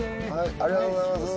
ありがとうございます。